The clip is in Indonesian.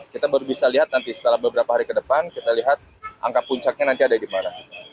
kita baru bisa lihat nanti setelah beberapa hari ke depan kita lihat angka puncaknya nanti ada di mana